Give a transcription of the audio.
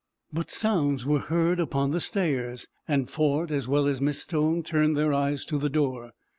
But sounds were heard upon the stairs, and Ford, as well as Miss Stone, turned their eyes to the door.